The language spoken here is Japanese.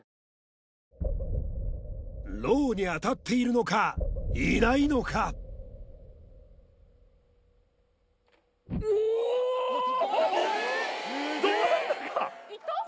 ロウに当たっているのかいないのかうおーっ！